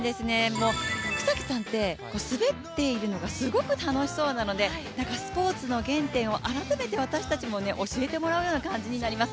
草木さんって、滑っているのがすごく楽しそうなので、スポーツの原点を改めて私たちも教えてもらっていると思います。